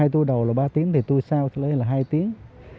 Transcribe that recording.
hai tui đầu là ba tiếng hai tui sau là hai tiếng